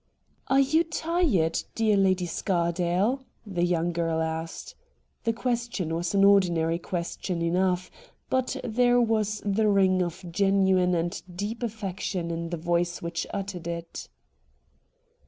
' Are you tired, dear Lady Scardale ?' the young girl asked. The question was an ordinary question enough, but there was the ring of genuine and deep affection in the voice which uttered it.